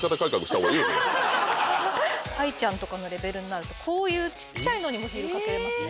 あいちゃんとかのレベルになるとこういう小っちゃいのにもヒール掛けれますね。